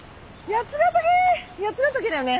八ヶ岳だよね？